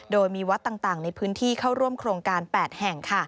โดยมีวัดต่างในพื้นที่เข้าร่วมโครงการ๘แห่ง